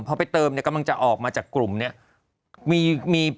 พอไปเติมเนี่ยกำลังจะออกมาจากกลุ่มเนี่ย